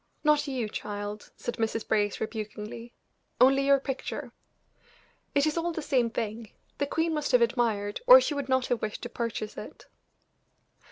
"Not you, child," said Mrs. Brace, rebukingly "only your picture." "It is all the same thing; the queen must have admired, or she would not have wished to purchase it."